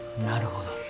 なるほど。